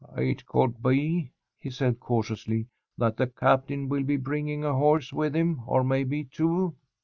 "It could be," he said, cautiously, "that the captain will be bringing a horse with him, or maybe two."